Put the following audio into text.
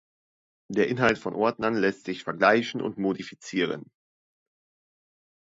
Der Inhalt von Ordnern lässt sich vergleichen und modifizieren.